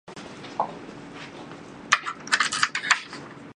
It lies north of Lengteng Wildlife Sanctuary in the same district.